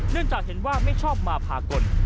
เนื่องจากเห็นว่าไม่ชอบมาพากล